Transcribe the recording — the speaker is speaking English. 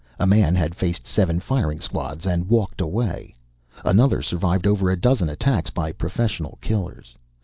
A man had faced seven firing squads and walked away. Another survived over a dozen attacks by professional killers.